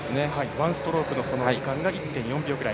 ワンストロークの時間が１．４秒くらい。